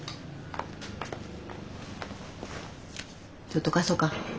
ちょっと貸そか。